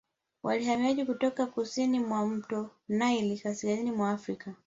Walihamia kutoka kusini mwa mto Naili kaskazini mwa Afrika